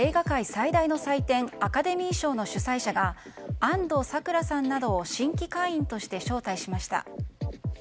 最大の祭典アカデミー賞の主催者が安藤サクラさんなどを新規会員として招待しました。